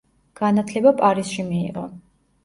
განათლება პარიზში მიიღო.